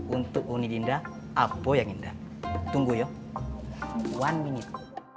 untuk undi dinda apoyang indah tunggu yo one minute